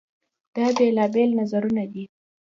دا بېلابېل نظرونه دي.